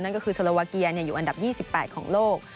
นั่นก็คือโซโลวาเกียอยู่อันดับ๒๘ของโลก